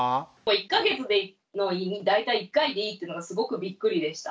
１か月で大体１回でいいというのがすごくびっくりでした。